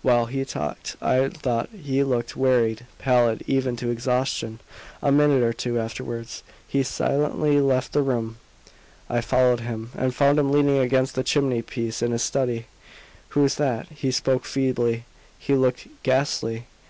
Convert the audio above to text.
While he talked I thought he looked wearied pallid even to exhaustion; a minute or two afterwards he silently left the room. I followed him, and found him leaning against the chimney piece in his study. "Who's that?" He spoke feebly; he looked ghastly!